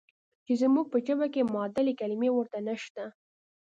چې زموږ په ژبه کې معادلې کلمې ورته نشته.